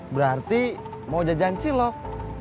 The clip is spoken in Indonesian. berarti mau jajan silop